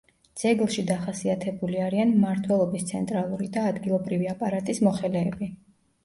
ძეგლში დახასიათებული არიან მმართველობის ცენტრალური და ადგილობრივი აპარატის მოხელეები.